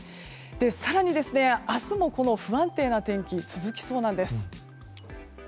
更に、明日も不安定な天気続きそうなんです。